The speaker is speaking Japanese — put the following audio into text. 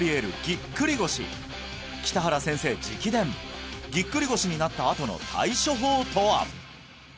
ぎっくり腰北原先生直伝ぎっくり腰になったあとの対処法とは？